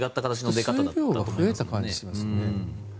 水量が増えた感じがしますね。